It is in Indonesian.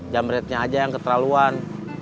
jamretnya aja yang keterlaluan